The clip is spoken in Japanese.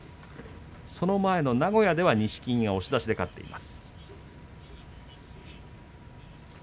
その前の名古屋では錦木が押し出しで勝っています。